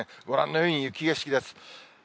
ご覧のように雪景色です。